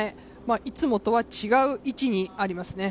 いつもとは違う位置にありますね。